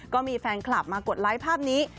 ก็มีแฟนคลับมากดไลค์ภาพนี้